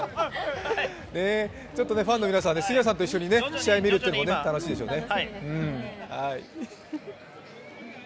ファンの皆さん、杉谷さんと一緒に試合を見るというのも楽しいでしょうね。